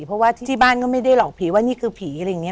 เพราะว่าที่บ้านก็ไม่ได้หลอกผีว่านี่คือผีอะไรอย่างนี้